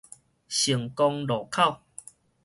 成功路口